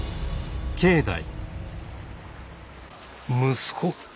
息子？